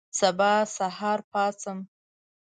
سبا سهار پاڅم